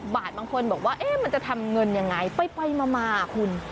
บาทบางคนบอกว่ามันจะทำเงินยังไงไปมาคุณ